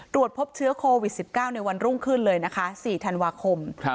ตรวจพบเชื้อโควิดสิบเก้าในวันรุ่งขึ้นเลยนะคะสี่ธนวาคมครับ